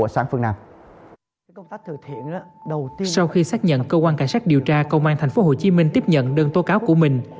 sau khi xác nhận cơ quan cảnh sát điều tra công an thành phố hồ chí minh tiếp nhận đơn tố cáo của mình